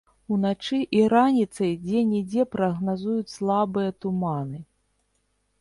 Уначы і раніцай дзе-нідзе прагназуюць слабыя туманы.